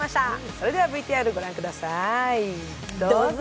それではＶＴＲご覧ください、どうぞ。